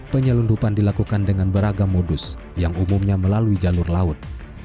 penyelundupan dilakukan dengan beragam modus yang umumnya melalui jalur laut